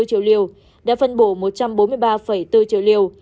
một trăm năm mươi sáu bốn triệu liều đã phân bổ một trăm bốn mươi ba bốn triệu liều